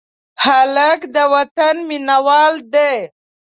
هلک د وطن مینه وال دی.